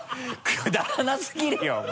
くだらなすぎるよお前。